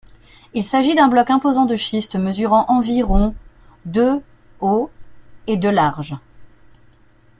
Il s’agit d’un bloc imposant de schiste mesurant environ de haut et de large.